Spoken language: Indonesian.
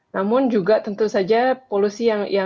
namun juga tentu saja polusi yang